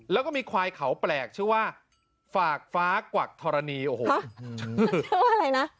แล้วก็มีควายเขาแปลกชื่อว่าฝากฟ้ากวักธรณีโอ้โหอะไรนะ